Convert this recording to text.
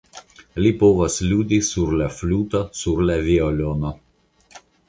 Li povas ludi sur la fluto, sur la violono.